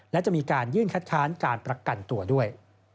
และจะมีการยื่นคัดค้านการประกันตัวด้วย